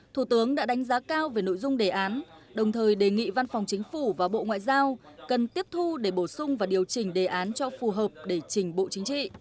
thủ tướng đã đánh giá cao về nội dung đề án đồng thời đề nghị văn phòng chính phủ và bộ ngoại giao cần tiếp thu để bổ sung và điều chỉnh đề án cho phù hợp để trình bộ chính trị